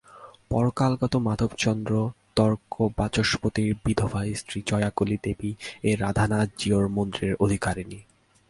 পরলোকগত মাধবচন্দ্র তর্কবাচস্পতির বিধবা স্ত্রী জয়কালী দেবী এই রাধানাথ জীউর মন্দিরের অধিকারিণী।